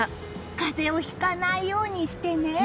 風邪をひかないようにしてね！